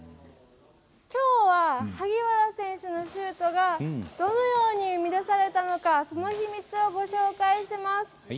きょうは萩原選手のシュートがどのように生み出されたのかその秘密をご紹介します。